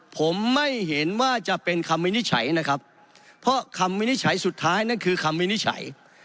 ผมไม่เห็นว่าจะเป็นคำวินิจฉัยนะครับเพราะคำวินิจฉัยสุดท้ายนั่นคือคำวินิจฉัย